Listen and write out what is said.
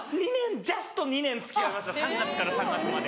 ジャスト２年付き合いました３月から３月まで。